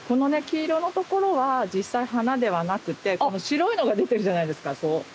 黄色のところは実際花ではなくてこの白いのが出てるじゃないですか。